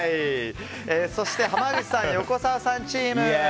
そして濱口さん・横澤さんチーム。